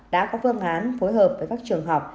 đã có phương án phối hợp với các trường học